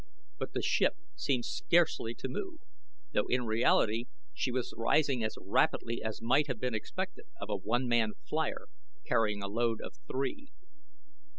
But the ship seemed scarcely to move, though in reality she was rising as rapidly as might have been expected of a one man flier carrying a load of three.